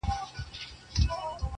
لکه مړی وو بې واکه سوی سکور وو!!